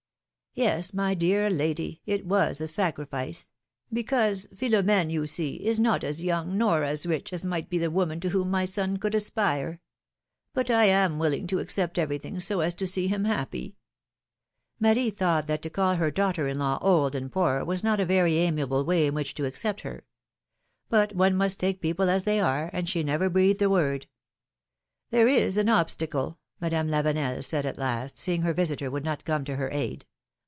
Yes, my dear lady, it was a sacrifice; because, Philo m5ne, you see, is not as young nor as rich as might be the woman to whom my son could aspire; but I am will ing to accept everything so as to see him happy I" Marie thought that to call her daughter in law old and philomI:ne's marriages. 81 poor was nofc a very amiable way in which to accept her. Bat one must take people as they are^ and she never breathed a word. There is an obstacle/' Madame Lavenel said at last, seeing her visitor would not come to her aid.